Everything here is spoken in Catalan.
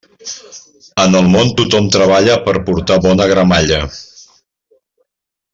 En el món tothom treballa per portar bona gramalla.